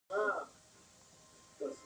ایا درد مو یو ځای ولاړ دی؟